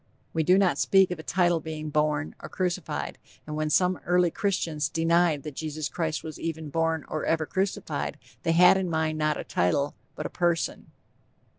We do not speak of a title being born, or crucified; and when some early Christians denied that Jesus Christ was ever born or ever crucified, they had in mind not a title but a _person.